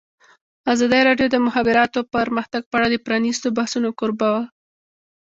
ازادي راډیو د د مخابراتو پرمختګ په اړه د پرانیستو بحثونو کوربه وه.